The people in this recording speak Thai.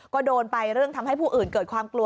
ก็โดนไปเรื่องทำให้ผู้อื่นเกิดความกลัว